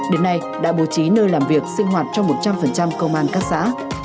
đến nay đã bố trí nơi làm việc sinh hoạt cho một trăm linh công an các xã